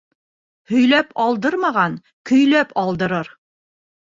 Һөйләп алдырмаған көйләп алдырыр